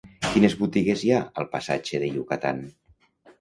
Quines botigues hi ha al passatge de Yucatán?